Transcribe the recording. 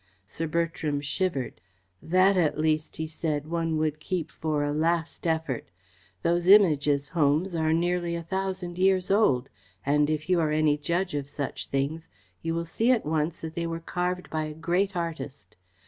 Sir Bertram shivered. "That, at least," he said, "one would keep for a last effort. Those Images, Holmes, are nearly a thousand years old, and if you are any judge of such things, you will see at once that they were carved by a great artist.